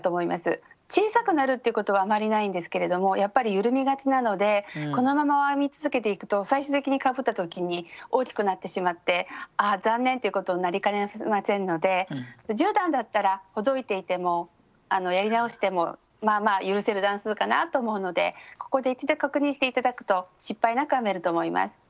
小さくなるっていうことはあまりないんですけれどもやっぱり緩みがちなのでこのまま編み続けていくと最終的にかぶった時に大きくなってしまってああ残念っていうことになりかねませんので１０段だったらほどいていてもやり直してもまあまあ許せる段数かなと思うのでここで一度確認して頂くと失敗なく編めると思います。